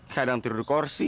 kadang tidur di korsi